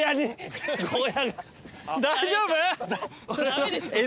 大丈夫？